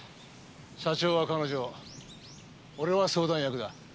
社長は彼女俺は相談役だ。